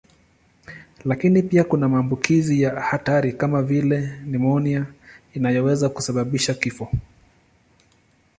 Lakini pia kuna maambukizi ya hatari kama vile nimonia inayoweza kusababisha kifo.